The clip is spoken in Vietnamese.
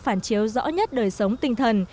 phản chiếu rõ nhất đời sống tinh thần